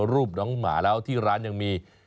รูปน้องหมาแล้วที่ร้านยังมี